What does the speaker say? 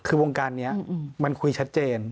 คือวงการนี้มันคุยชัดเจน